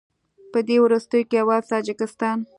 په دې وروستیو کې یوازې تاجکستان